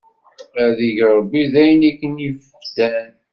Ad ig Ṛebbi d ayen i ken-ifdan!